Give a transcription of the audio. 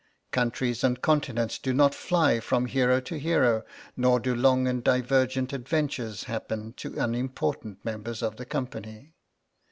Countries and continents do not fly from hero to hero, nor do long and divergent adventures happen to unimportant members of the company.